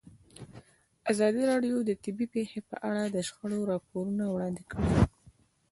ازادي راډیو د طبیعي پېښې په اړه د شخړو راپورونه وړاندې کړي.